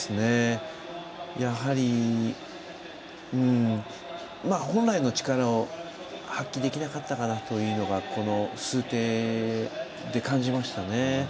やはり、本来の力を発揮できなかったかなというのがこの数手で感じましたね。